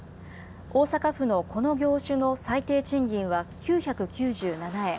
大阪府のこの業種の最低賃金は９９７円。